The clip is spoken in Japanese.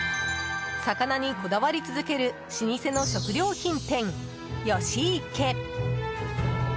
魚にこだわり続ける老舗の食料品店・吉池。